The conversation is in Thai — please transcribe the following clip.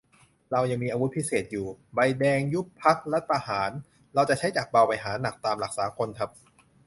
เรายังมีอาวุธพิเศษอยู่ ใบแดง ยุบพรรค รัฐประหาร เราจะใช้จากเบาไปหาหนัก ตามหลักสากลครับ